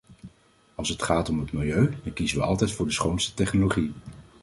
Als het gaat om het milieu, dan kiezen we altijd voor de schoonste technologie.